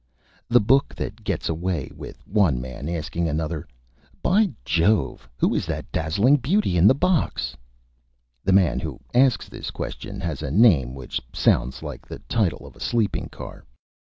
The Book that gets away with one Man asking another: "By Jove, who is that Dazzling Beauty in the Box?" The Man who asks this Question has a Name which sounds like the Title of a Sleeping Car.